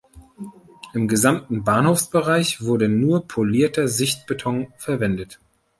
Im gesamten Bahnhofsbereich wurde nur polierter Sichtbeton verwendet.